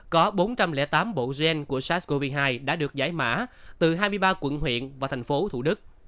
có bốn trăm linh tám bộ gen của sars cov hai đã được giải mã từ hai mươi ba quận huyện và thành phố thủ đức